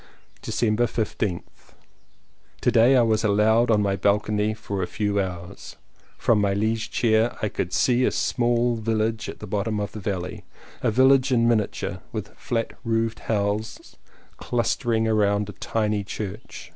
December 15th. To day I was allowed on my balcony for a few hours. From my liege chair I could see a small village at the bottom of the valley, a village in miniature, with flat roofed houses clustering round a tiny church.